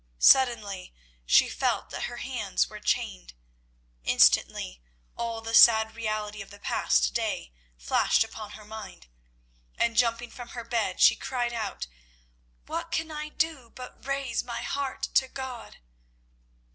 Suddenly she felt that her hands were chained. Instantly all the sad reality of the past day flashed upon her mind, and, jumping from her bed, she cried out, "What can I do but raise my heart to God?"